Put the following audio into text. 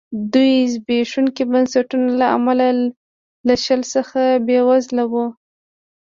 دوی د زبېښونکو بنسټونو له امله له شل څخه بېوزله وو.